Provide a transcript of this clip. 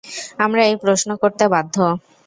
আমরা এই প্রশ্ন করতে বাধ্য।